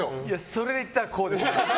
それでいったら、○です。